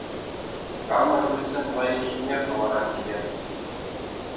Хамӑр хыҫҫӑн лайӑххине хӑварас килет